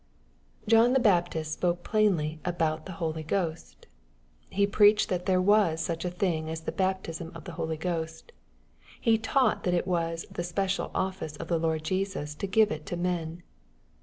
John the Baptist spoke plainly g&o^^ the Holy Ghost, He preached that there was such a thing as the baptism of the Holy Ghost. He taught that it was the special office of the Lord Jesus to give it to men.